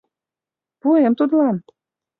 — Пуэм тудлан!